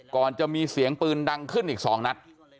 ก่อนจะมีเสียงปืนดังขึ้นอีก๒นัด